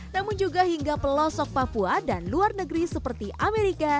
namun juga hingga pelosok papua dan luar negeri seperti amerika